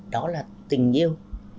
đó là tình yêu